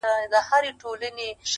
د حرم د ښایستو پر زړه پرهار وو٫